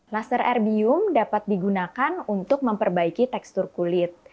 laser erbium dapat digunakan untuk memperbaiki tekstur kulit